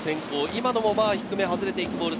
今のも低めに外れていくボール。